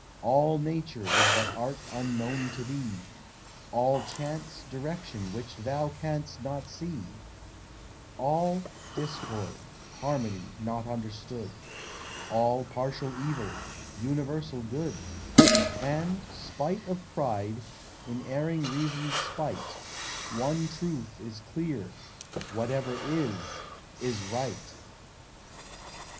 All nature is but art unknown to thee; All chance, direction which thou canst not see; All discord, harmony not understood; All partial evil, universal good: And, spite of pride, in erring reason's spite, One truth is clear Whatever is, is right.